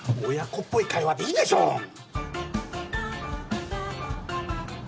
親子っぽい会話でいいでしょう。